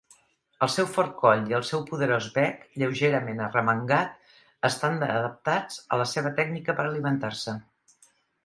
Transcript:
Els seu fort coll i el seu poderós bec lleugerament arremangat estan adaptats a la seva tècnica per alimentar-se.